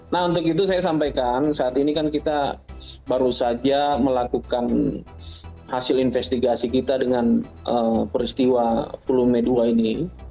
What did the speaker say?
nah untuk itu saya sampaikan saat ini kan kita baru saja melakukan hasil investigasi kita dengan peristiwa volume dua ini